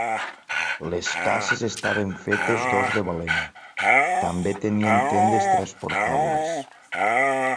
Les cases estaven fetes d'os de balena, també tenien tendes transportables.